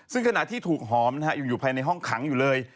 ซึ่งขณะที่ถูกหอมยังอยู่ภายในห้องขังอยู่เลย